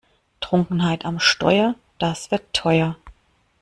Trunkenheit am Steuer, das wird teuer!